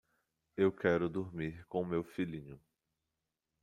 Eu quero dormir com meu filhinho.